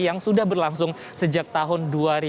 yang sudah berlangsung sejak tahun